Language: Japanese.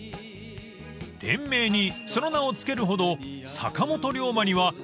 ［店名にその名を付けるほど］